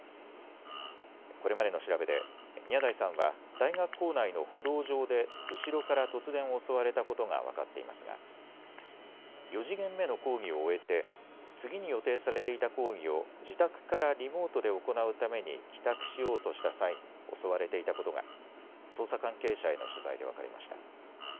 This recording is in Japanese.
これまでの調べで宮台さんは大学構内の歩道上で後ろから突然襲われたことが分かっていますが４時限目の講義を終えて次に予定されていた講義を自宅からリモートで行うために帰宅しようとした際に襲われていたことが捜査関係者への取材で分かりました。